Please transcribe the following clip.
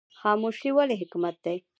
خاموشي ولې حکمت دی؟